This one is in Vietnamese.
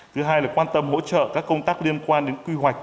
thứ hai là quan tâm hỗ trợ các công tác liên quan đến quy hoạch